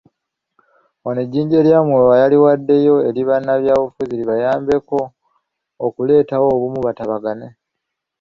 Ono ejjinja eryamuweebwa yaliwaddeyo eri bannabyabufuzi libayambeko okuleetawo obumu batabagane.